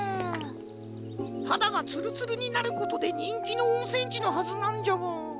はだがつるつるになることでにんきのおんせんちのはずなんじゃが。